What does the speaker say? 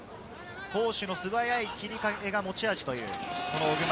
攻守の素早い切り替えが持ち味という小熊。